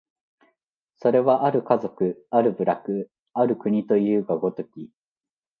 それは或る家族、或る部落、或る国というが如き、